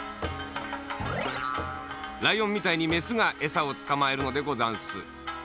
ライオンみたいにメスがえさをつかまえるのでござんす。